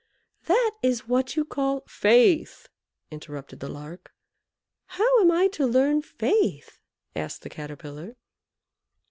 "That is what you call " "Faith," interrupted the Lark. "How am I to learn Faith?" asked the Caterpillar.